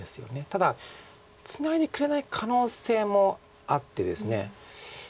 ただツナいでくれない可能性もあってですね。